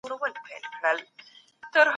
کمپيوټر انيميشن جوړوي.